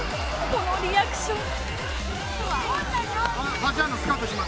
このリアクション